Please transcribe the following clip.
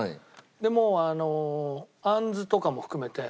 でもうあのあんずとかも含めて。